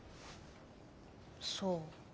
そう。